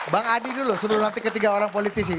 bang adi dulu sebelum nanti ketiga orang politisi